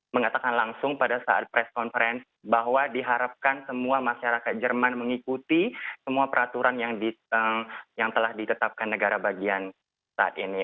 mengatakan langsung pada saat press conference bahwa diharapkan semua masyarakat jerman mengikuti semua peraturan yang telah ditetapkan negara bagian saat ini